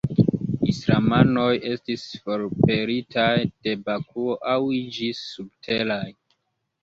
Islamanoj estis forpelitaj de Bakuo, aŭ iĝis subteraj.